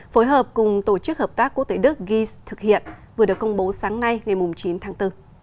phối hợp cùng tổ chức hợp tác quốc tế đức gis thực hiện vừa được công bố sáng nay ngày chín tháng bốn